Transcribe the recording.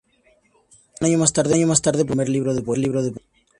Un año más tarde publicó su primer libro de poemas.